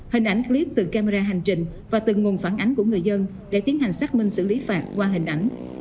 hình ảnh clip từ camera hành trình và từng nguồn phản ánh của người dân để tiến hành xác minh xử lý phạt qua hình ảnh